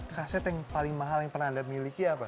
kaset yang paling mahal yang pernah anda miliki apa